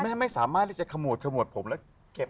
แม่ไม่สามารถที่จะขมวดผมแล้วเก็บ